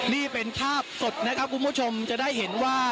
นี่เป็นภาพสดนะครับคุณผู้ชมจะได้เห็นว่า